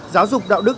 giáo dục đạo đức